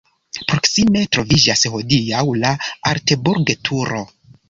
Proksime troviĝas hodiaŭ la Alteburg-turo.